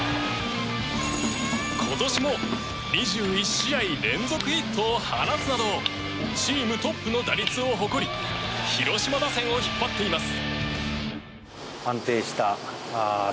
今年も２１試合連続ヒットを放つなどチームトップの打率を誇り広島打線を引っ張っています。